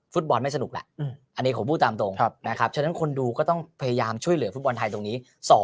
ฟุตบอลไม่สนุกแหละอันนี้ผมพูดตามตรงนะครับฉะนั้นคนดูก็ต้องพยายามช่วยเหลือฟุตบอลไทยตรงนี้